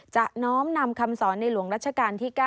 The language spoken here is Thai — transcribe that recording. น้อมนำคำสอนในหลวงรัชกาลที่๙